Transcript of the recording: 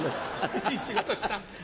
いい仕事した。